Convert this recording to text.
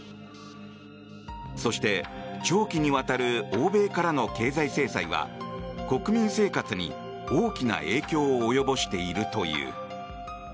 そして、長期にわたる欧米からの経済制裁は国民生活に大きな影響を及ぼしているという。